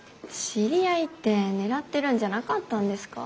知り合いって狙ってるんじゃなかったんですか。